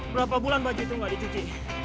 berapa bulan baju itu nggak dicuci